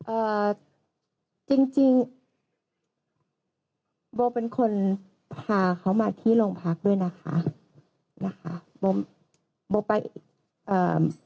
เอ่อจริงจริงโบเป็นคนพาเขามาที่โรงพักด้วยนะคะนะคะโบโบไปเอ่อ